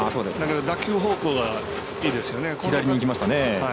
打球方向はいいですよね。